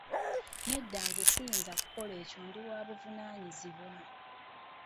Nedda nze siyinza kukola ekyo ndi wa buvunaanyizibwa.